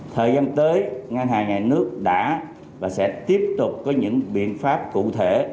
thời gian tới ngân hàng nhà nước đã và sẽ tiếp tục có những biện pháp cụ thể